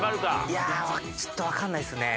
いやちょっとわかんないですね。